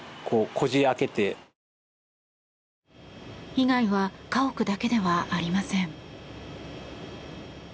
被害は家屋だけではありません。